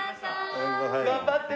頑張ってね。